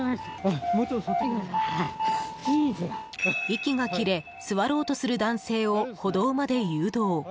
息が切れ、座ろうとする男性を歩道まで誘導。